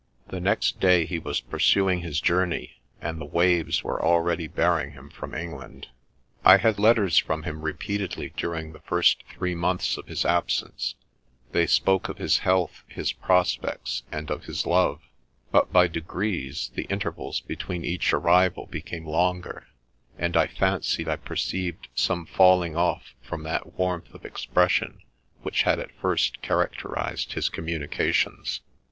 — The next day he was pursuing his journey, and the waves were already bearing him from England. '" I had letters from him repeatedly during the first three months of his absence ; they spoke of his health, his prospects, and of his love, but by degrees the intervals between each arrival became longer, and I fancied I perceived some falling off from that warmth of expression which had at first characterized his communications.